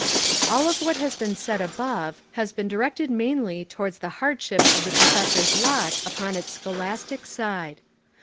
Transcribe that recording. AH of what has been said above has been directed mainly towards the hardship of the professor's lot upon its scholastic side.